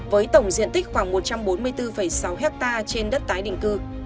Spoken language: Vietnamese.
với tổng diện tích khoảng một trăm bốn mươi bốn sáu ha trên đất tái định cư